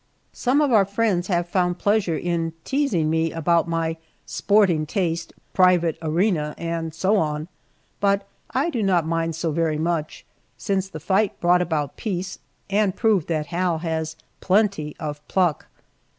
Some of our friends have found pleasure in teasing me about my sporting taste, private arena, and so on, but I do not mind so very much, since the fight brought about peace, and proved that Hal has plenty of pluck.